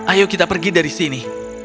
ayo kita pergi dari sini